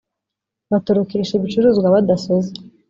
batorokesha ibicuruzwa badasoze